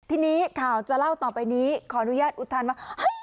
ทีนี้ข่าวจะเล่าต่อไปนี้ขออนุญาตอุทานว่า